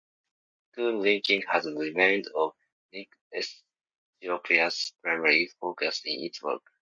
School linking has remained one of Link Ethiopia's primary focuses in its work.